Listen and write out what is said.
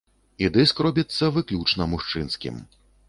І дыск робіцца выключна мужчынскім.